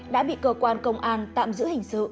đã bị cơ quan công an tạm giữ